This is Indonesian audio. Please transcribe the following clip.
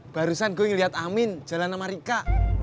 barusan gue ngeliat amin jalan sama rika